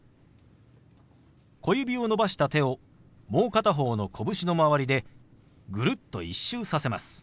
小指を伸ばした手をもう片方の拳の周りでぐるっと１周させます。